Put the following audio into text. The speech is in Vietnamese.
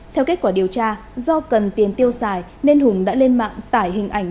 theo kết quả điều tra do cần tiền tiêu xài nên hùng đã lên mạng tải hình ảnh